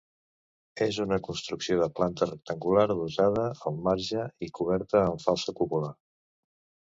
És una construcció de planta rectangular, adossada al marge i coberta amb falsa cúpula.